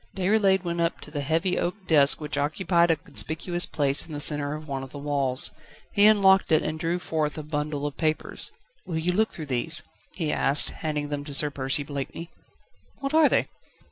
Déroulède went up to the heavy oak desk which occupied a conspicuous place in the centre of one of the walls. He unlocked it and drew forth a bundle of papers. "Will you look through these?" he asked, handing them to Sir Percy Blakeney. "What are they?"